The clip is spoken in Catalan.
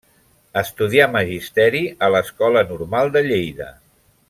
Estudià Magisteri a l'Escola Normal de Lleida.